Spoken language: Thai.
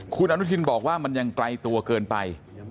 คุณอนุทินบอกว่ามันยังไกลตัวเกินไป